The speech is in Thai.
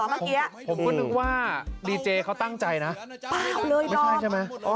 เมื่อกี้ผมก็นึกว่าดีเจเขาตั้งใจนะไม่ใช่ใช่ไหม